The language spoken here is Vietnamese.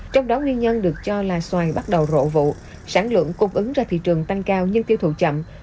trong đó nguyên nhân được cho là xoài bắt đầu rộ vụ sản lượng cung ứng ra thị trường tăng cao nhưng tiêu thụ chậm